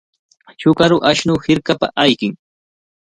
Chukaru ashnu hirkapa ayqin.